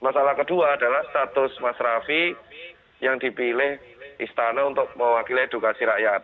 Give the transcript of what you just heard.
masalah kedua adalah status mas rafi yang dipilih istana untuk mewakili edukasi rakyat